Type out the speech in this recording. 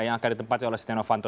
yang akan ditempati oleh setia novanto